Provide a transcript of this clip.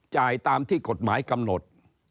จ่ายตามที่กฎหมายกำหนด